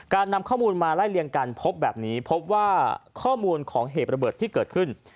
นำข้อมูลมาไล่เลี่ยงกันพบแบบนี้พบว่าข้อมูลของเหตุระเบิดที่เกิดขึ้น